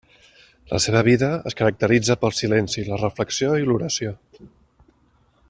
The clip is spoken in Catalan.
La seva vida es caracteritza pel silenci, la reflexió i l'oració.